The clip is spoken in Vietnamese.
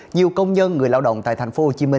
nhiều công nhân người lao động tại tp hcm